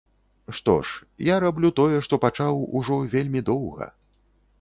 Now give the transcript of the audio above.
Што ж, я раблю тое, што пачаў, ужо вельмі доўга.